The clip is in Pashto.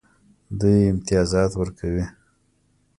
دوی امتیازات ورکوي.